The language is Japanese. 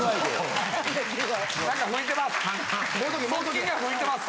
何か吹いてます